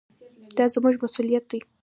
دا زموږ مسوولیت دی.